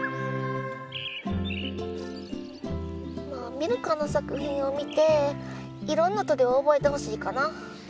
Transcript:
ミルカの作品を見ていろんな鳥を覚えてほしいかな。